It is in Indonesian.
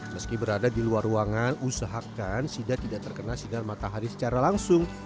meski berada di luar ruangan usahakan sidat tidak terkena sinar matahari secara langsung